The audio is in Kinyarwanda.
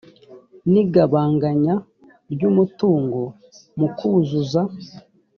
n igabagabanya ry umutungo mu kuzuza